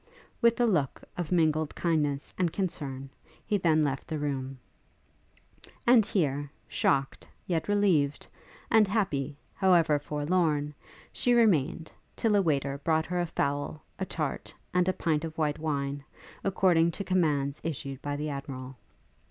With a look of mingled kindness and concern, he then left the room. And here, shocked, yet relieved, and happy, however forlorn, she remained, till a waiter brought her a fowl, a tart, and a pint of white wine, according to commands issued by the Admiral.